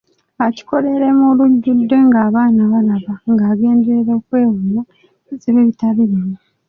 Akikolera mu lujjudde ng'abaana balaba, ng'agenderera okwewonya ebizibu ebitali bimu.